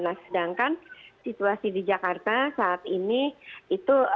nah sedangkan situasi di jakarta saat ini itu